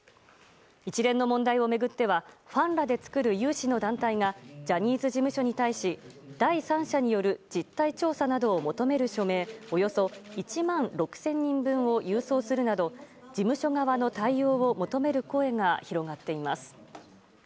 一連の問題を巡ってはファンらで作る有志の団体がジャニーズ事務所に対し第三者による実態調査を求める署名およそ１万６０００人分を郵送するなど事務所側の対応を求める声が広がっています。